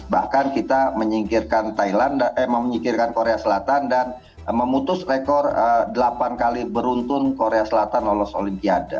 bahkan kita menyingkirkan thailand eh menyingkirkan korea selatan dan memutus rekor delapan kali beruntun korea selatan lolos olimpiade